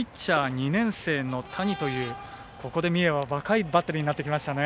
２年生の谷というここで三重は若いバッテリーになってきましたね。